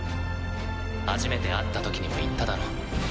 初めて会ったときにも言っただろ。